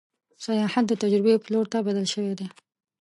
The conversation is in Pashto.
سیاحت د تجربې پلور ته بدل شوی دی.